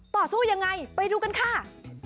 ต่อสู้ยังไงไปดูกันค่ะ